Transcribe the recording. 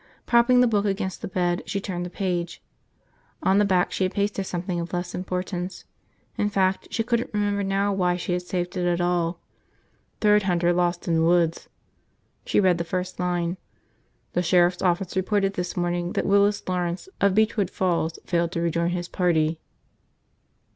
Propping the book against the bed, she turned the page. On the back she had pasted something of less importance. In fact, she couldn't remember now why she had saved it at all. "Third Hunter Lost in Woods." She read the first line. "The sheriff's office reported this morning that Willis Lawrence of Beechwood Falls failed to rejoin his party.